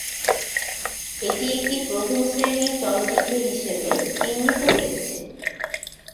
এটি একটি প্রথম শ্রেণীর চলচ্চিত্র হিসাবে চিহ্নিত হয়েছে।